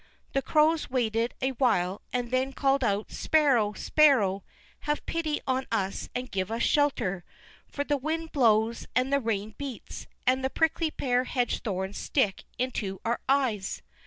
The Crows waited a while and then called out: "Sparrow, Sparrow, have pity on us and give us shelter, for the wind blows and the rain beats, and the prickly pear hedge thorns stick into our eyes."